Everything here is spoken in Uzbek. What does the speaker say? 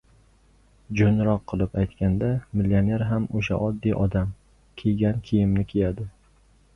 Jo‘nroq qilib aytganda, millioner ham o‘sha «oddiy odam» kiygan kiyimni kiyadi